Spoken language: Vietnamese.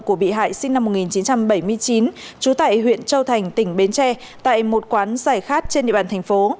của bị hại sinh năm một nghìn chín trăm bảy mươi chín trú tại huyện châu thành tỉnh bến tre tại một quán giải khát trên địa bàn thành phố